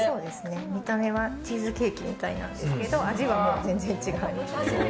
見た目はチーズケーキみたいなんですけど味は全然違います。